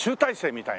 みたい